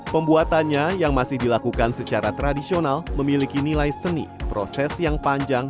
pembuatannya yang masih dilakukan secara tradisional memiliki nilai seni proses yang panjang